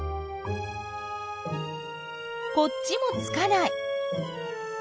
こっちもつかない。